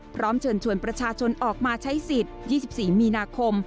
พร้อมเชิญชวนประชาชนออกมาใช้สิทธิ์๒๔มีนาคม